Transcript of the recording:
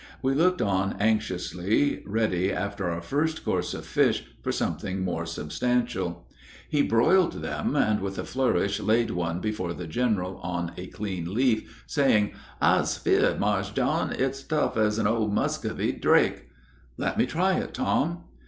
We looked on anxiously, ready after our first course of fish for something more substantial. He broiled them, and with a flourish laid one before the general on a clean leaf, saying, "I's 'feared, Marse John, it's tough as an old muscovy drake." "Let me try it, Tom."